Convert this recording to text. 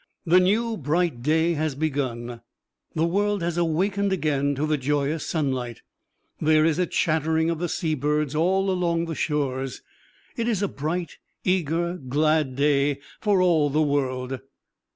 The new, bright day has begun; the world has awakened again to the joyous sunlight; there is a chattering of the sea birds all along the shores. It is a bright, eager, glad day for all the world.